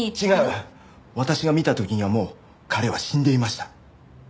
私が見た時にはもう彼は死んでいました。